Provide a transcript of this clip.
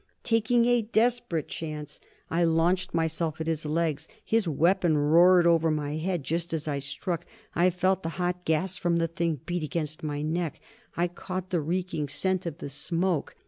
Taking a desperate chance, I launched myself at his legs. His weapon roared over my head, just as I struck. I felt the hot gas from the thing beat against my neck; I caught the reeking scent of the smoke.